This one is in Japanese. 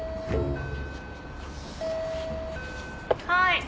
「はい」